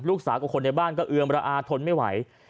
กับคนในบ้านก็เอือมระอาทนไม่ไหว